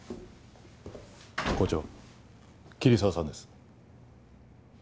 校長桐沢さんです。